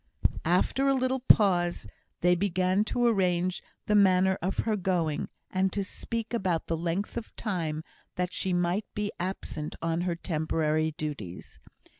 After a little pause, they began to arrange the manner of her going, and to speak of the length of time that she might be absent on her temporary duties.